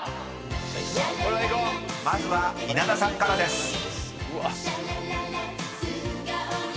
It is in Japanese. ［まずは稲田さんからです］